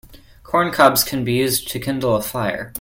Corn cobs can be used to kindle a fire.